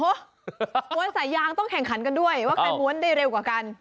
ม้วนสายยางต้องแข่งขันกันด้วยว่าใครม้วนได้เร็วกว่ากัน